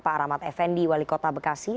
pak rahmat effendi walikota bekasi